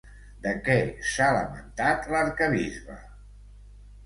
De què s'ha lamentat l'arquebisbe?